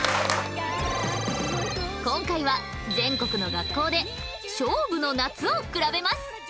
今回は全国の学校で「勝負の夏」をくらべます！